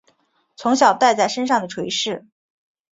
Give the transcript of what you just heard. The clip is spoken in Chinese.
从小带在身上的垂饰